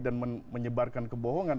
dan menyebarkan kebohongan